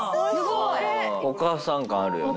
お母さん感あるよね。